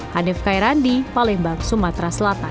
hanif kairandi palembang sumatera selatan